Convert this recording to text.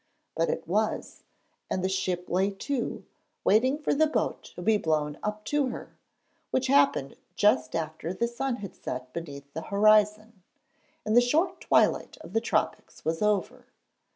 But it was, and the ship lay to, waiting for the boat to be blown up to her, which happened just after the sun had set beneath the horizon, and the short twilight of the tropics was over.